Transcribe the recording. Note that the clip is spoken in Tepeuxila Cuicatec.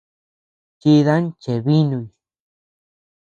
Chidan cheebinuy.